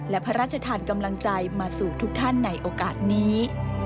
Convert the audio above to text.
และพระราชทานกำลังใจมาสู่ทุกท่านในโอกาสนี้